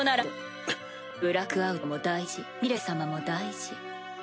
ブラックアウトも大事ミレイ様も大事。